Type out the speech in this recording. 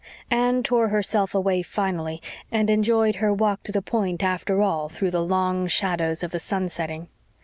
Anne tore herself away finally and enjoyed her walk to the Point after all, through the long shadows of the sun setting.